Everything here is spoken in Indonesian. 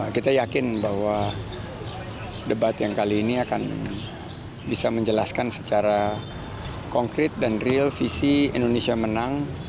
kita yakin bahwa debat yang kali ini akan bisa menjelaskan secara konkret dan real visi indonesia menang